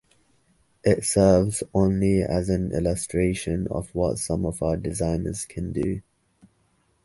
It serves only as an illustration of what some of our designers can do.